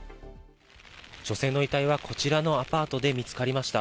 女性の遺体はこちらのアパートで見つかりました。